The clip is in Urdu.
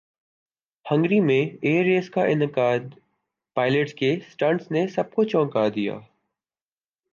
ہنگری میں ایئر ریس کا انعقادپائلٹس کے سٹنٹس نے سب کو چونکا دیا